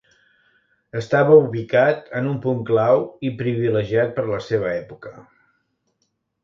Estava ubicat en un punt clau i privilegiat per la seva època.